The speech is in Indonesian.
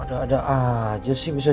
ada ada aja sih bisa jatoh